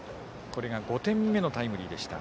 これが５点目のタイムリーでした。